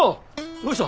どうした？